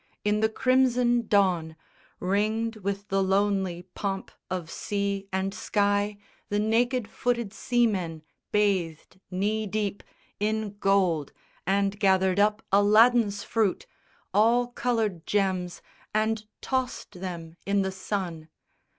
In the crimson dawn, Ringed with the lonely pomp of sea and sky, The naked footed seamen bathed knee deep In gold and gathered up Aladdin's fruit All colored gems and tossed them in the sun.